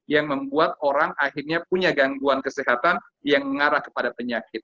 yang membuat orang akhirnya punya gangguan kesehatan yang mengarah kepada penyakit